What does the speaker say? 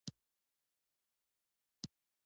په افغانستان کې چار مغز ډېر اهمیت لري.